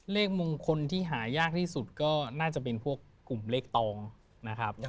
เลขมงคลที่หายากที่สุดก็น่าจะเป็นพวกกลุ่มเลขตองนะครับ